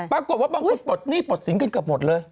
ปรากฏว่าบางคนปลดสินกันกันหมดเลย